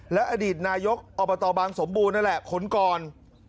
และอดีตนายกอบบตบ้างสมบูรณ์นั่นแหละโผล่คลนกร